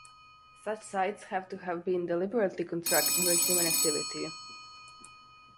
Such sites have to have been deliberately constructed by human activity.